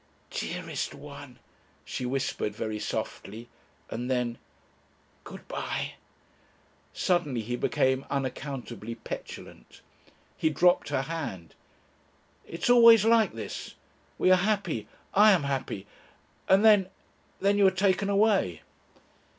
"Dearest one," she whispered very softly, and then, "Good bye." Suddenly he became unaccountably petulant, he dropped her hand. "It's always like this. We are happy. I am happy. And then then you are taken away...."